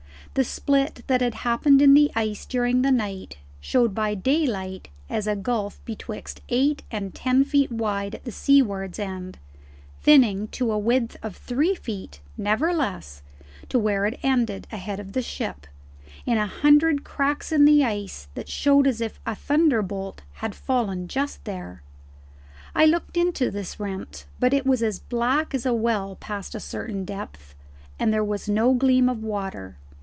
The split that had happened in the ice during the night showed by daylight as a gulf betwixt eight and ten feet wide at the seawards end, thinning to a width of three feet, never less, to where it ended, ahead of the ship, in a hundred cracks in the ice that showed as if a thunderbolt had fallen just there. I looked into this rent, but it was as black as a well past a certain depth, and there was no gleam of water.